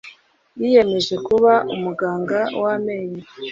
Yiyemeje kuba umuganga wamenyo.